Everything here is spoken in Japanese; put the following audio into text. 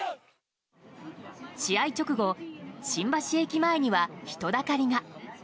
試合直後新橋駅前には人だかりが。